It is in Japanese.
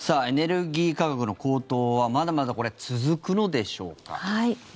エネルギー価格の高騰はまだまだ続くのでしょうか？